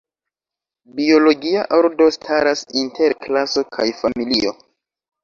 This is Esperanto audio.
Biologia ordo staras inter klaso kaj familio.